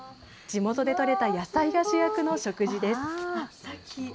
地元で取れた野菜が主役の食事です。